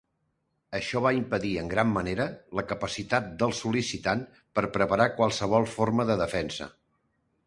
Això va impedir en gran manera la capacitat del sol·licitant per preparar qualsevol forma de defensa.